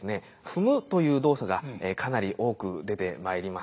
「踏む」という動作がかなり多く出てまいります。